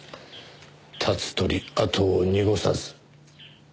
立つ鳥跡を濁さず。